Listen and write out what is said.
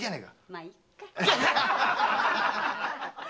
まいっか。